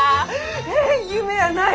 ええっ夢やない！